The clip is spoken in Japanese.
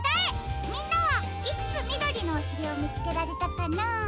みんなはいくつみどりのおしりをみつけられたかな？